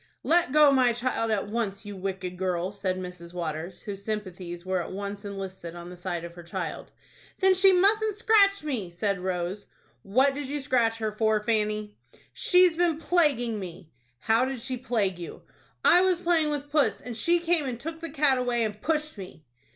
"Let go my child at once, you wicked girl!" said Mrs. Waters, whose sympathies were at once enlisted on the side of her child. "Then she mustn't scratch me," said Rose. "What did you scratch her for, Fanny?" "She's been plaguing me." "How did she plague you?" "I was playing with puss, and she came and took the cat away, and pushed me."